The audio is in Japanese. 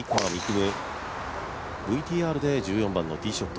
夢ＶＴＲで１４番のティーショット